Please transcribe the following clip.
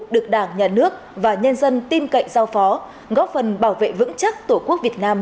được đảng nhà nước và nhân dân tin cậy giao phó góp phần bảo vệ vững chắc tổ quốc việt nam